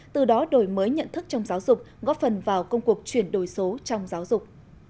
từ đó đổi mới nhận thức trong giáo dục góp phần vào công cuộc chuyển đổi số trong giáo dục